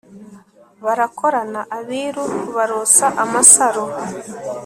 barakorana abiru barosa amasaro